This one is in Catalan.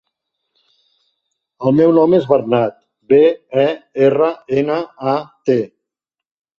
El meu nom és Bernat: be, e, erra, ena, a, te.